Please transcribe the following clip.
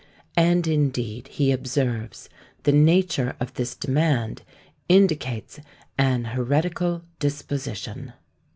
And indeed, he observes, the nature of this demand indicates an heretical disposition.